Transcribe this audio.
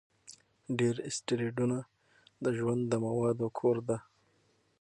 ډېر اسټروېډونه د ژوند د موادو کور دي.